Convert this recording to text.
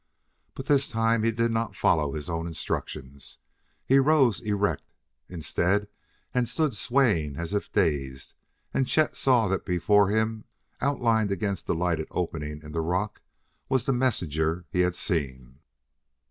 But this time he did not follow his own instructions. He rose erect, instead, and stood swaying as if dazed; and Chet saw that before him, outlined against the lighted opening in the rock, was the messenger he had seen.